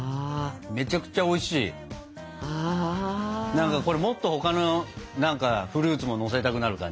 何かこれもっと他の何かフルーツものせたくなる感じ。